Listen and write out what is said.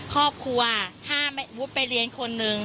ครอบครัวถ้าวุฒิไปเรียนคนหนึ่ง